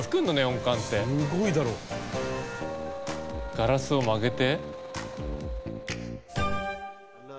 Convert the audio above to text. ガラスを曲げて。